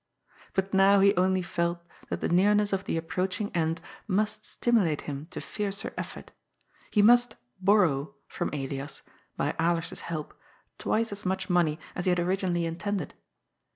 But now he only felt that the nearness of the approaching end must stimulate him to fiercer effort. He must "borrow" from Elias, by Alers's help, twice as much money as he had originally intended.